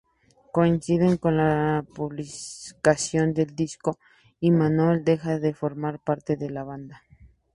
Coincidiendo con la publicación del disco, Imanol deja de formar parte de la banda.